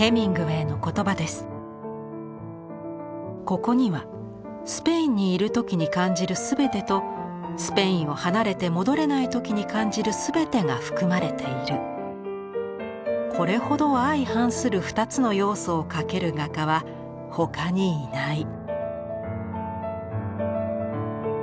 「ここにはスペインにいるときに感じる全てとスペインを離れて戻れないときに感じる全てが含まれているこれほど相反するふたつの要素を描ける画家は他にいない」。